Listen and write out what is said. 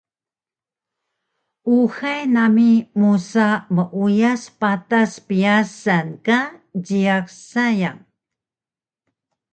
Uxay nami musa meuyas patas pyasan ka jiyax sayang